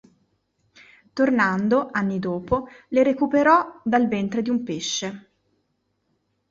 Tornando, anni dopo, le recuperò dal ventre di un pesce.